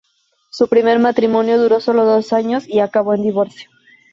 Su primer matrimonio duró solo dos años y acabó en divorcio.